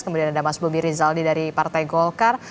kemudian ada mas bobi rizaldi dari partai golkar